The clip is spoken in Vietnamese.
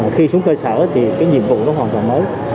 khi xuống cơ sở thì cái nhiệm vụ nó hoàn toàn mới